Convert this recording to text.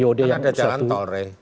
karena ada jalantol re